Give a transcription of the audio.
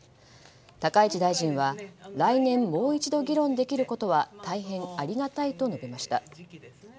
高市大臣は来年もう一度議論できることは大変ありがたいと述べました。